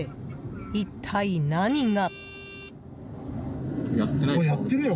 一体、何が。